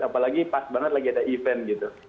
apalagi pas banget lagi ada event gitu